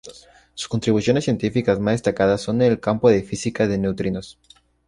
Sus contribuciones científicas más destacadas son en el campo de física de neutrinos.